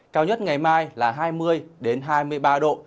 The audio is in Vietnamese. cao nhất ngày mai là hai mươi hai mươi ba độ